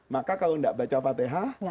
maka kalau tidak baca fatihah